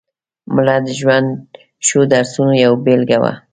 مړه د ژوند ښو درسونو یوه بېلګه وه